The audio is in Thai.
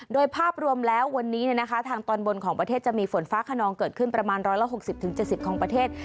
โดยภาพรวมแล้ววันนี้ทางตอนบนของประเทศจะมีฝนฟ้าขนองเกิดขึ้นประมาณ๑๖๐๗๐ของประเทศ